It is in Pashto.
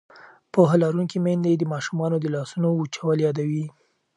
پوهه لرونکې میندې د ماشومانو د لاسونو وچول یادوي.